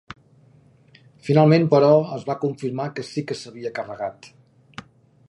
Finalment però, es va confirmar que sí que s'havia carregat.